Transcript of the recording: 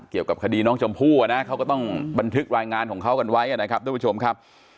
เกี่ยวกับคดีน้องชมพู่นะเขาก็ต้องบันทึกรายงานของเขากันไว้นะครับทุกผู้ชมครับ